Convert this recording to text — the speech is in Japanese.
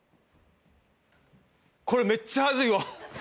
これめっちゃ恥ずいわ。